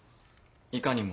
いかにも。